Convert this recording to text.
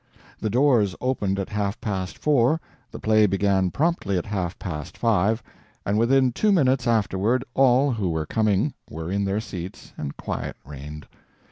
The doors opened at half past four, the play began promptly at half past five, and within two minutes afterward all who were coming were in their seats, and quiet reigned.